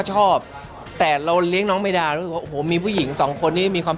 ชอบแต่เราเลี้ยงน้องไม่ได้โอ้โหมีผู้หญิงสองคนนี้มีความ